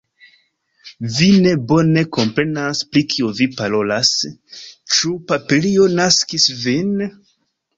Vi ne bone komprenas pri kio vi parolas, ĉu papilio naskis vin?